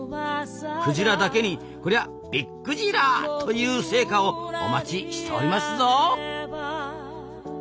クジラだけに「こりゃびっくじら」という成果をお待ちしておりますぞ！